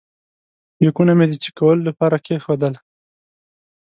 بیکونه مې د چېک کولو لپاره کېښودل.